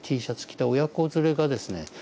Ｔシャツ着た親子連れがですね